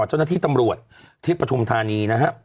เจ้าหน้าที่ตำรวจที่ปฐุมธานี